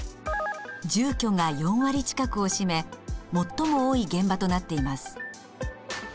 住居が４割近くを占め最も多い現場となっています。